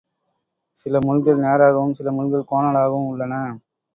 சில முட்கள் நேராகவும், சில முட்கள் கோணலாகவும் உள்ளன.